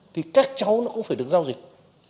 thì các cháu nó cũng phải được giao dịch